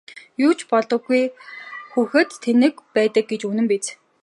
Юу ч боддоггүй хүүхэд тэнэг байдаг гэж үнэн биз!